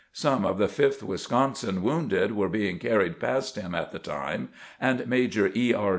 Some of the Fifth "Wisconsin wounded were being carried past him at the time, and Major E. R.